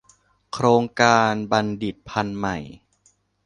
โครงการบัณฑิตพันธุ์ใหม่